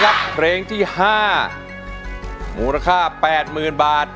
คุณยายแดงคะทำไมต้องซื้อลำโพงและเครื่องเสียง